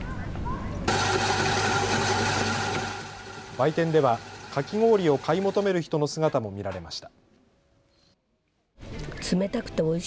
売店ではかき氷を買い求める人の姿も見られました。